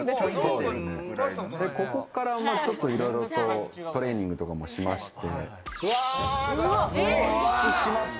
ここからいろいろとトレーニングとかもしまして。